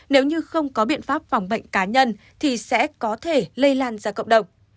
nếu như không có biện pháp phòng bệnh cá nhân thì sẽ có thể lây lan ra cộng đồng